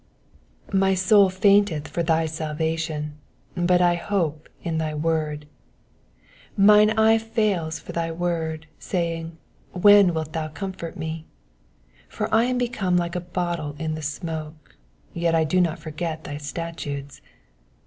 MY soul fainteth for thy salvation : but I hope in thy word. 82 Mine eyes fail for thy word, saying, When wilt thou com fort me ? 83 For I am become like a bottle in the smoke ; yet do I not forget thy statutes.